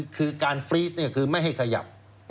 คือการฟรีสคือไม่ให้ขยับ